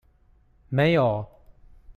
沒有